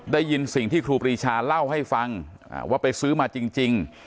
ได้ยินสิ่งที่ครูปรีชาเล่าให้ฟังว่าไปซื้อมาจริง